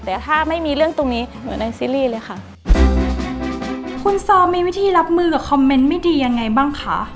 แต่ถ้าไม่มีเรื่องตรงนี้เหมือนในซีรีส์เลยค่ะ